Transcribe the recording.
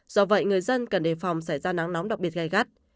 do vậy người dân cần đề phòng xảy ra nắng nóng đặc biệt gai gắt